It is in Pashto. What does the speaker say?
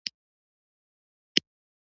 د نورو په وړاندي یوازیتوب احساسوو.